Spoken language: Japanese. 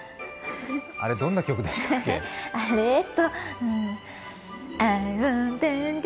あれ、どんな曲でしたっけ？